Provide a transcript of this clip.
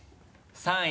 ３位。